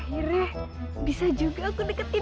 hei keboh mau kemana keboh